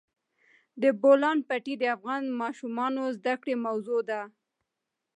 د بولان پټي د افغان ماشومانو د زده کړې موضوع ده.